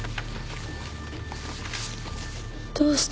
どうして。